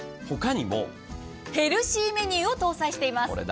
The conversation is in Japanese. ほかにもヘルシーメニューも搭載しています。